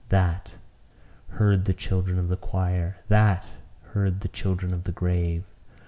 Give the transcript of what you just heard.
That heard the children of the choir, that heard the children of the grave.